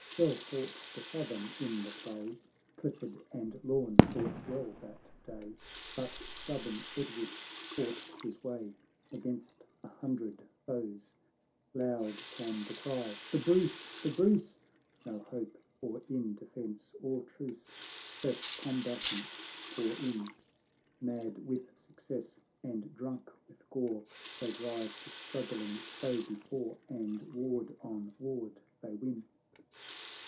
"Well fought the Southern in the fray, Clifford and Lorn fought well that day, But stubborn Edward forced his way Against a hundred foes. Loud came the cry, " The Bruce, the Bruce !" Is'o hope or in defence or truce, Fresh combatants pour in ; Mad with success, and drunk with gore, They drive the struggling foe before, And ward on ward they win.